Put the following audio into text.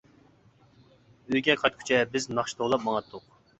ئۆيگە قايتقۇچە بىز ناخشا توۋلاپ ماڭاتتۇق.